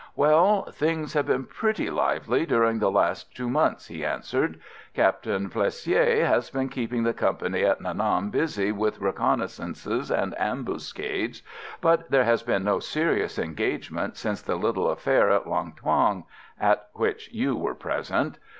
"Well, things have been pretty lively during the last two months," he answered. "Captain Plessier has been keeping the company at Nha Nam busy with reconnaissances and ambuscades, but there has been no serious engagement since the little affair at Long Thuong, at which you were present.